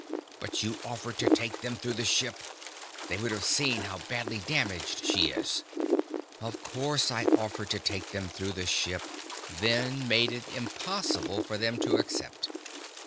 "But you offered to take them through the ship! They would have seen how badly damaged she is." "Of course I offered to take them through the ship, then made it impossible for them to accept.